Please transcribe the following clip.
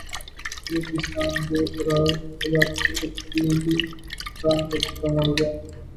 بلوچستان دوردراز علاقوں میں تھری جی فراہم کرنے کا معاہدہ